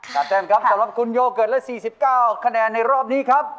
แต้มครับสำหรับคุณโยเกิดละ๔๙คะแนนในรอบนี้ครับ